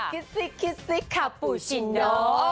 คิดสิคิดสิคาปูชิโน